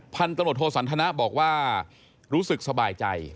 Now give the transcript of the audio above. พันธุ์ตำรวจโทสันทนะบอกว่ารู้สึกสบายใจ